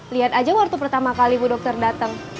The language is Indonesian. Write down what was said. lihat aja waktu pertama kali bu dokter dateng